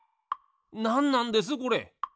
なんなんですこれ？